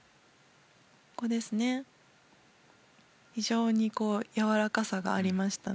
非常にやわらかさがありました。